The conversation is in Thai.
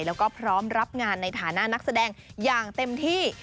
แล้วก็พร้อมรับงานในฐานะนักแสดงอย่างเต็มที่